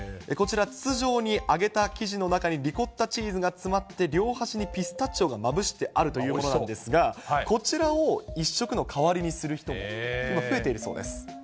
こちら、筒状に揚げた生地の中に、リコッタチーズが詰まって両端にピスタチオがまぶしてあるということなんですが、こちらを１食の代わりにする人が今、増えているそうです。